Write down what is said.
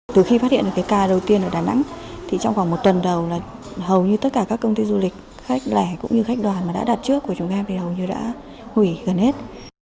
từ khi phát hiện được cái ca đầu tiên ở đà nẵng thì trong khoảng một tuần đầu là hầu như tất cả các công ty du lịch khách lẻ cũng như khách đoàn mà đã đặt trước của chúng em thì hầu như đã hủy gần hết